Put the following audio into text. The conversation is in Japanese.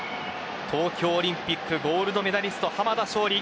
東京オリンピックゴールドメダリスト濱田尚里。